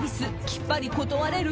きっぱり断れる？